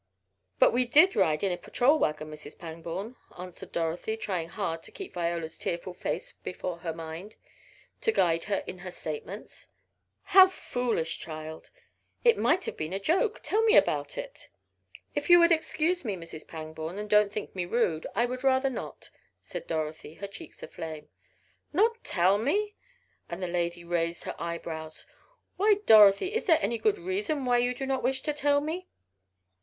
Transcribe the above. "But we did ride in a patrol wagon, Mrs. Pangborn," answered Dorothy, trying hard to keep Viola's tearful face before her mind, to guide her in her statements. "How foolish, child. It might have been a joke Tell me about it!" "If you would excuse me, Mrs. Pangborn, and not think me rude, I would rather not," said Dorothy, her cheeks aflame. "Not tell me!" and the lady raised her eyebrows. "Why, Dorothy! Is there any good reason why you do not wish to tell me?"